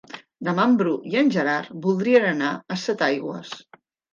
Demà en Bru i en Gerard voldrien anar a Setaigües.